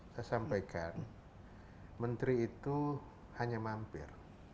saya sampaikan menteri itu hanya mampir